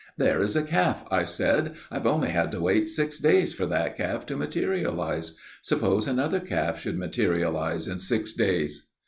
'There is a calf,' I said; 'I've only had to wait six days for that calf to materialize. Suppose another calf should materialize in six days.'